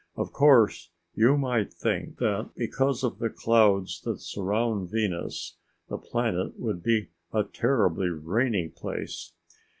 Of course you might think that because of the clouds that surround Venus, the planet would be a terribly rainy place.